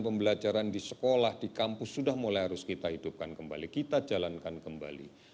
pembelajaran di sekolah di kampus sudah mulai harus kita hidupkan kembali kita jalankan kembali